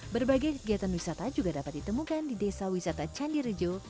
berbagai kegiatan wisata juga dapat ditemukan di desa wisata candirejo